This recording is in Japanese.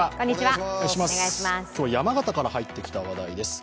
今日は山形から入ってきた話題です。